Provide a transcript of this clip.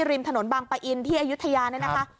ริมถนนบางปะอินที่อายุทยาเนี่ยนะคะ